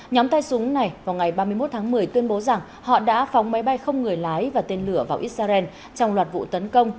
nhóm tay súng này vào ngày ba mươi một tháng một mươi tuyên bố rằng họ đã phóng máy bay không người lái và tên lửa vào israel trong loạt vụ tấn công